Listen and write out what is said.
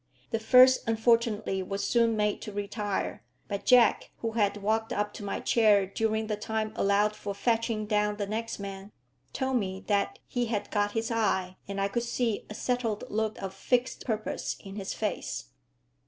The first unfortunately was soon made to retire; but Jack, who had walked up to my chair during the time allowed for fetching down the next man, told me that he had "got his eye," and I could see a settled look of fixed purpose in his face.